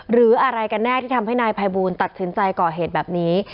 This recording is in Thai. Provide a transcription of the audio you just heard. หรืออะไรกันแน่ที่ทำให้นายภัยบูลตัดสินใจก่อเหตุแบบนี้